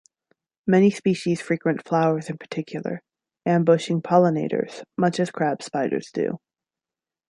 Many species frequent flowers in particular, ambushing pollinators, much as crab spiders do.